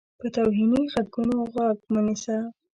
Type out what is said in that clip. په توهیني غږونو غوږ مه نیسه.